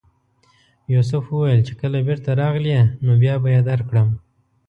یوسف وویل چې کله بېرته راغلې نو بیا به یې درکړم.